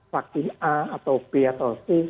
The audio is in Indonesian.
vaksin a atau b atau c